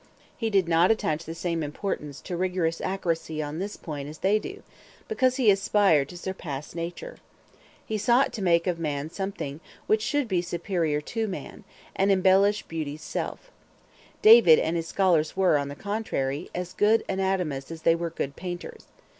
He did not attach the same importance to rigorous accuracy on this point as they do, because he aspired to surpass nature. He sought to make of man something which should be superior to man, and to embellish beauty's self. David and his scholars were, on the contrary, as good anatomists as they were good painters.